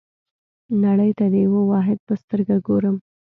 نړۍ ته د یوه واحد په سترګه ګورم.